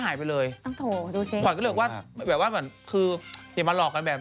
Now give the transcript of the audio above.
เตือนไพดิน่ากลัว